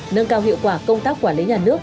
nâng cao hiệu quả công tác quản lý nhà nước